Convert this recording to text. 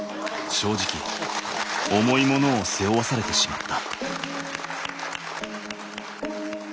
正直重いものを背負わされてしまった。